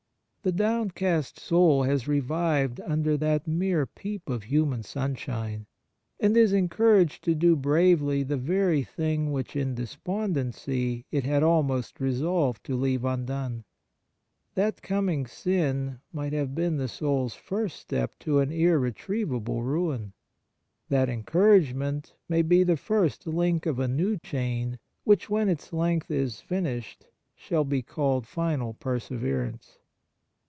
The downcast soul has revived under that mere peep of human sunshine, and is en couraged to do bravely the very thing which in despondency it had almost re 3 34 Kindness solved to leave undone. That coming sin might have been the soul's first step to an irretrievable ruin. That encouragement may be the first link of a new chain, which, when its length is finished, shall be called final perseverance.